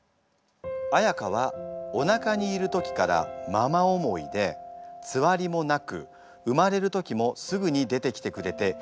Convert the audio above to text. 彩歌はおなかにいる時からママ思いでつわりもなく産まれる時もすぐに出てきてくれて優しい子でした。